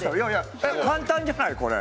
簡単じゃないこれ。